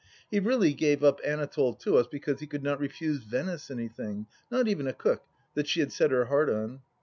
He really gave up 16 16 THE LAST DITCH Anatole to us because he could not refuse Venice anything, not even a cook, that she had set her heart on.